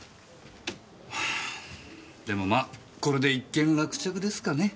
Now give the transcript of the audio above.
でもまこれで一件落着ですかね。